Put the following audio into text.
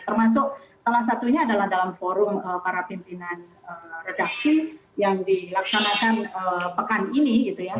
termasuk salah satunya adalah dalam forum para pimpinan redaksi yang dilaksanakan pekan ini gitu ya